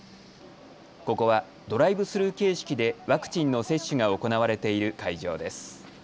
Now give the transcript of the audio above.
ここはドライブスルー形式でワクチンの接種が行われている会場です。